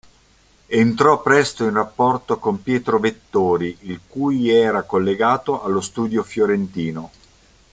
Entrò presto in rapporto con Pietro Vettori, il cui era collegato allo Studio fiorentino.